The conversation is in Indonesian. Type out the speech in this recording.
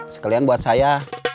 sekalian buat saya